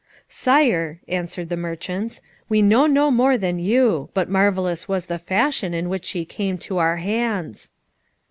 "Sire," answered the merchants, "we know no more than you, but marvellous was the fashion in which she came to our hands."